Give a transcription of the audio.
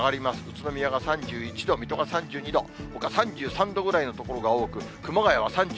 宇都宮が３１度、水戸が３２度、ほか３３度ぐらいの所が多く、熊谷は３４度。